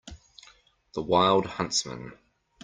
The wild huntsman.